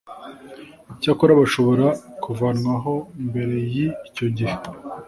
icyakora bashobora kuvanwaho mbere y icyo gihe